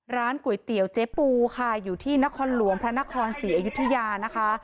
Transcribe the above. ร้านก๋วยเตี๋ยวเจ๊ปูค่ะอยู่ที่นครหลวงพระนครศรีอยุธยานะคะ